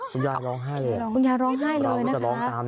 คุณยายร้องไห้เลยคุณยายร้องไห้เลยนะคะ